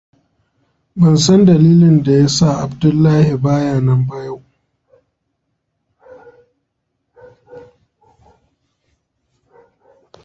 Ban san dalilin da ya sa Abdullahi ba ya nan ba yau.